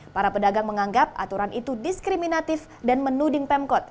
para pedagang menganggap aturan itu diskriminatif dan menuding pemkot